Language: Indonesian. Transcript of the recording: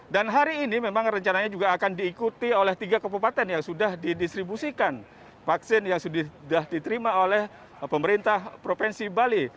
dan hari ini memang rencananya juga akan diikuti oleh tiga kabupaten yang sudah didistribusikan vaksin yang sudah diterima oleh pemerintah provinsi bali